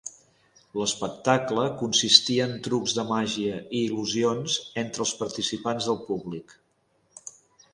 L'espectacle consistia en trucs de màgia i il·lusions entre els participants del públic.